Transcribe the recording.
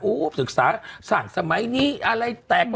อู้ศึกษาศาสตร์สมัยนี้อะไรแตก